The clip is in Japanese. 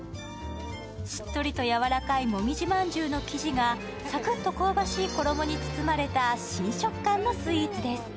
しっとりと柔らかいもみじ饅頭の生地がサクッと香ばしい衣に包まれた新食感のスイーツです。